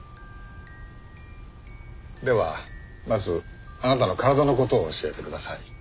ではまずあなたの体の事を教えてください。